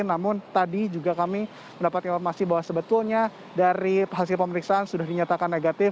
namun tadi juga kami mendapatkan informasi bahwa sebetulnya dari hasil pemeriksaan sudah dinyatakan negatif